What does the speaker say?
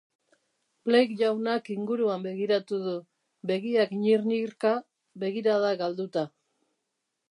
Blake jaunak inguruan begiratu du, begiak ñirñirka, begirada galduta.